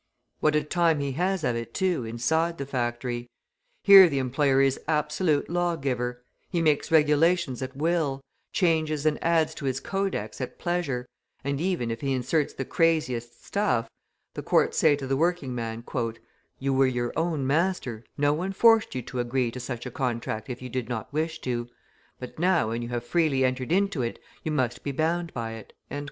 What a time he has of it, too, inside the factory! Here the employer is absolute law giver; he makes regulations at will, changes and adds to his codex at pleasure, and even, if he inserts the craziest stuff, the courts say to the working man: "You were your own master, no one forced you to agree to such a contract if you did not wish to; but now, when you have freely entered into it, you must be bound by it."